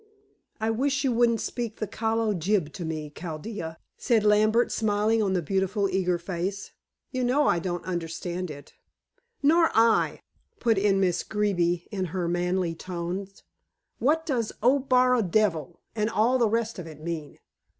"I wish you wouldn't speak the calo jib to me, Chaldea," said Lambert, smiling on the beautiful eager face. "You know I don't understand it." "Nor I," put in Miss Greeby in her manly tones. "What does Oh baro devil, and all the rest of it mean?"